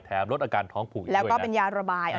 แถมลดอาการท้องผูกอีกด้วยนะ